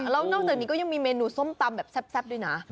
แล้วนอกจากนี้ก็ยังมีเมนูส้มตำแบบแซ่บด้วยนะ